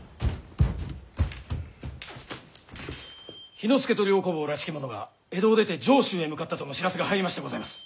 氷ノ介と両火房らしき者が江戸を出て上州へ向かったとの知らせが入りましてございます。